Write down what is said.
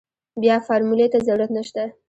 بيا فارمولې ته ضرورت نشته.